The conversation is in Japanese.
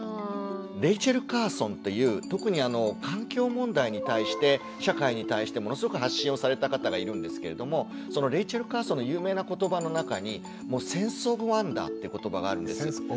レイチェル・カーソンっていう特に環境問題に対して社会に対してものすごく発信をされた方がいるんですけれどもそのレイチェル・カーソンの有名な言葉の中に「センス・オブ・ワンダー」って言葉があるんです。